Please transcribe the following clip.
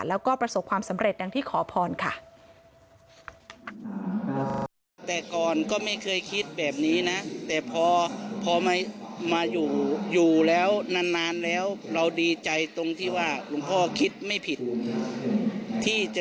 แล้วก็ประสบความสำเร็จดังที่ขอพรค่ะ